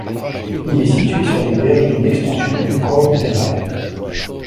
Il est situé sur les berges d'une extension du Khor Dubaï.